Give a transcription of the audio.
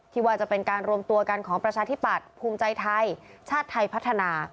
ว่าจะเป็นการรวมตัวกันของประชาธิปัตย์ภูมิใจไทยชาติไทยพัฒนา